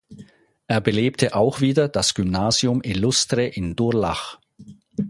Er belebte auch wieder das Gymnasium Illustre in Durlach.